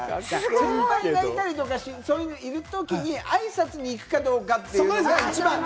先輩がいたりとか、そういうのいる時に挨拶に行くかどうかっていうのが一番。